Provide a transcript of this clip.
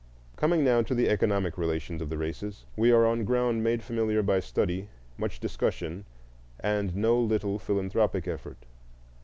Coming now to the economic relations of the races, we are on ground made familiar by study, much discussion, and no little philanthropic effort.